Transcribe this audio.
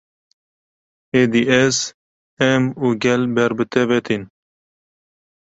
Êdî ez, em û gel ber bi te ve tên